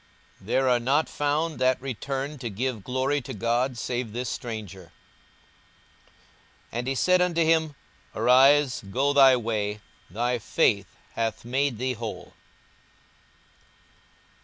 42:017:018 There are not found that returned to give glory to God, save this stranger. 42:017:019 And he said unto him, Arise, go thy way: thy faith hath made thee whole.